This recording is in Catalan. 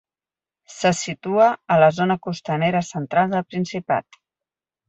Se situa en la zona costanera central del Principat.